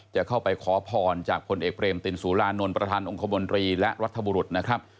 จะเข้าไปขอพรจากผลเอกเบรมตินสุรานนท์ประธานองคมนตรีและรัฐบุรุษนะครับ